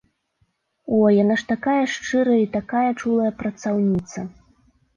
О, яна ж такая шчырая і такая чулая працаўніца!